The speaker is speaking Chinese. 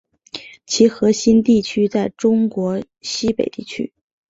其核心地区在中国西北地区。